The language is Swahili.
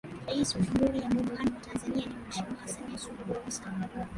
Rais wa Jamhuri ya Muungano wa Tanzania ni Mheshimiwa Samia Suluhu Hassan